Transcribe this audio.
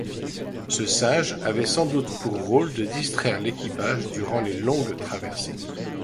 Ce singe avait sans doute pour rôle de distraire l’équipage durant les longues traversées.